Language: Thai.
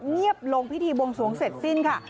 เงียบลงพิธีบวงสวงเสร็จสิ้นค่ะ